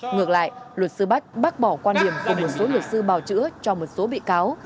ngược lại luật sư bách bác bỏ quan điểm của một số luật sư bào chữa cho một số bị cáo